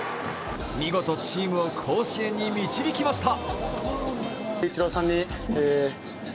見事、チームを甲子園に導きました。